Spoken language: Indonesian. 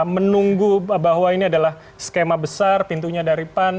menunggu bahwa ini adalah skema besar pintunya dari pan